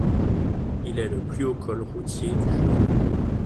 Il est le plus haut col routier du Jura.